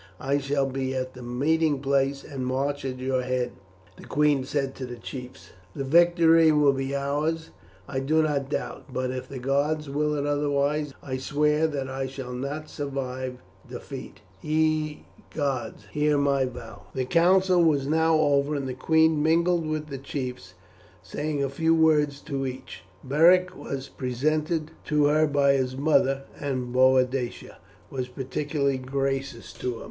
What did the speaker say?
"I shall be at the meeting place and march at your head," the queen said to the chiefs; "that victory will be ours I do not doubt; but if the gods will it otherwise I swear that I shall not survive defeat. Ye gods, hear my vow." The council was now over, and the queen mingled with the chiefs, saying a few words to each. Beric was presented to her by his mother, and Boadicea was particularly gracious to him.